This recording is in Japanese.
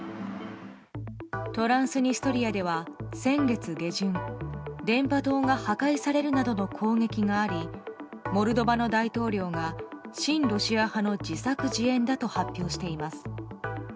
トランスニストリアでは先月下旬電波塔が破壊されるなどの攻撃がありモルドバの大統領が親ロシア派の自作自演だと発表しています。